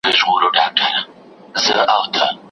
اور چي مي پر سیوري بلوي رقیب